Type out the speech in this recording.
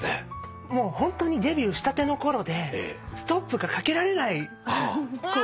もうホントにデビューしたてのころでストップがかけられない時期なんですよ。